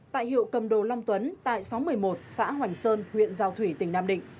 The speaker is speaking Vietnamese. tại hiệu cầm đồ long tuấn tại xóm một mươi một xã hoành sơn huyện giao thủy tỉnh nam định